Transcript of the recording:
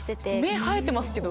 芽生えてますけど。